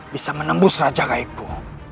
bisa menembus raja kayaiku